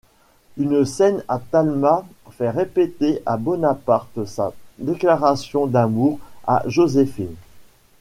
Une scène où Talma fait répéter à Bonaparte sa déclaration d'amour à Joséphine.